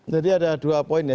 jadi ada dua poin ya